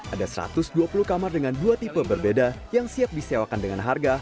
ada satu ratus dua puluh kamar dengan dua tipe berbeda yang siap disewakan dengan harga